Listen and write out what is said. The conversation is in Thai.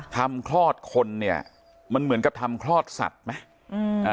ทำคลอดคนเนี่ยมันเหมือนกับทำคลอดสัตว์ไหม